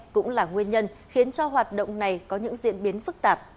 cũng là nguyên nhân khiến cho hoạt động này có những diễn biến phức tạp